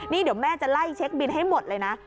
นี่เดี๋ยวแม่จะไล่เช็คบินให้หมดเลยนะ